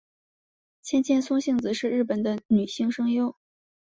千千松幸子是日本的女性声优。